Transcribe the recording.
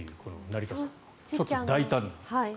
成田さんの大胆な。